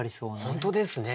本当ですね